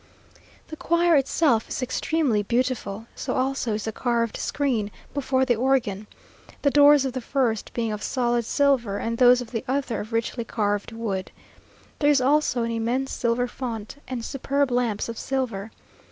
The choir itself is extremely beautiful; so also is the carved screen before the organ, the doors of the first being of solid silver, and those of the other of richly carved wood. There is also an immense silver font, and superb lamps of silver.